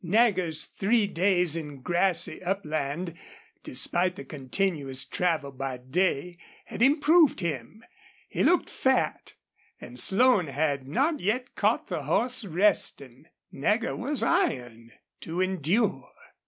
Nagger's three days in grassy upland, despite the continuous travel by day, had improved him. He looked fat, and Slone had not yet caught the horse resting. Nagger was iron to endure.